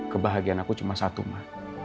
kebahagiaan aku cuma satu mah